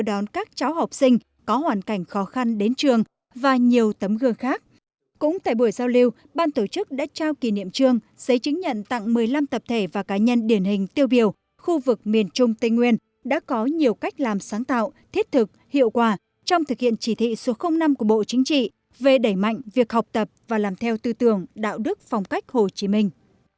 đã trao kỷ niệm trương giấy chứng nhận tặng một mươi năm tập thể và cá nhân điển hình tiêu biểu khu vực miền trung tây nguyên đã có nhiều cách làm sáng tạo thiết thực hiệu quả trong thực hiện chỉ thị số năm của bộ chính trị về đẩy mạnh việc học tập và làm theo tư tưởng đạo đức phong cách hồ chí minh